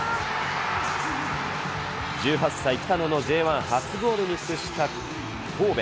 １８歳、北野のＪ１初ゴールに屈した神戸。